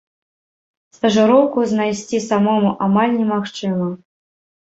Стажыроўку знайсці самому амаль немагчыма.